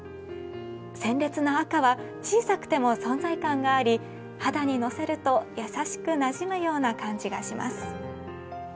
鮮烈な赤は小さくても存在感があり肌に乗せると優しくなじむような感じがします。